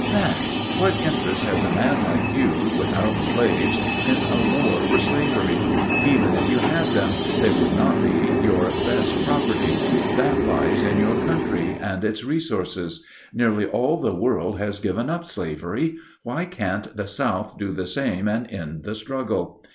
"Max, what interest has a man like you, without slaves, in a war for slavery? Even if you had them, they would not be your best property. That lies in your country and its resources. Nearly all the world has given up slavery; why can't the South do the same and end the struggle.